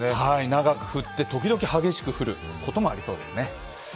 長く降って時々激しく降ることもありそうですね。